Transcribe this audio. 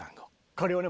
これをね